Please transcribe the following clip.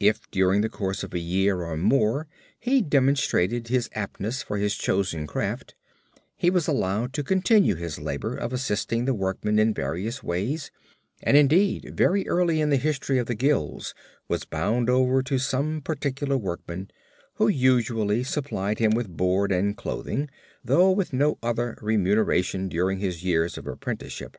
If during the course of a year or more he demonstrated his aptness for his chosen craft, he was allowed to continue his labor of assisting the workmen in various ways, and indeed very early in the history of the guilds was bound over to some particular workman, who usually supplied him with board and clothing, though with no other remuneration during his years of apprenticeship.